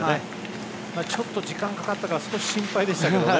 ちょっと時間かかったから少し心配でしたけどね。